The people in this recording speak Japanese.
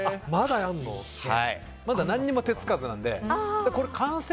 まだ何も手つかずなので。